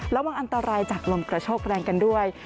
ระวังอันตรายจากลมกระโชกแรงกันด้วย